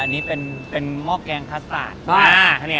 อันนี้เป็นมอกแกงคัสตาร์ด